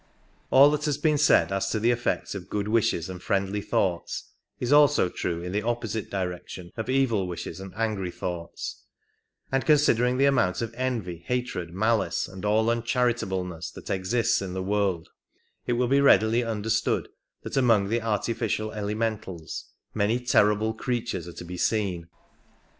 All that has been said as to the effect of good wishes and friendly thoughts is also true in the opposite direction of evil wishes and angry thoughts ; and considering the amount of envy, hatred, malice and all uncharitableness that exists in the world, it will be readily understood that among the artificial elementals many terrible creatures are to be seen.